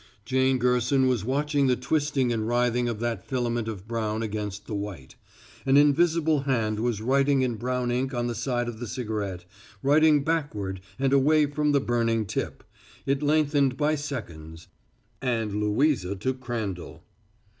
Jane Gerson was watching the twisting and writhing of that filament of brown against the white. An invisible hand was writing in brown ink on the side of the cigarette writing backward and away from the burning tip. It lengthened by seconds "and Louisa to Crandall."